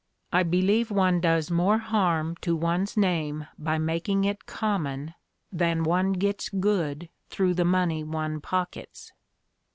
I believe one does more harm to one's name by making it common than one gets good through the money one pockets."